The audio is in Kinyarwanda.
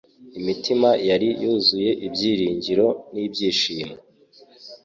Imitima yari yuzuye ibyiringiro n'ibyishimo.